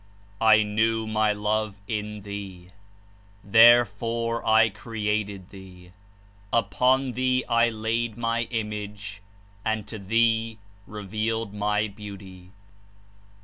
I knew my Love in thee; therefore I created thee; upon thee I laid my Image and to thee revealed my Beauty.'